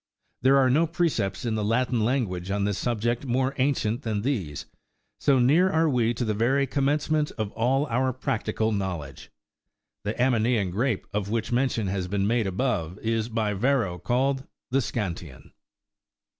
There are no precepts in the Latin language on this subject more ancient than these, so near are we to the very commencement of all our practical knowledge ! The Aminean grape, of which mention has been made above, is by Yarro called the " Seantian."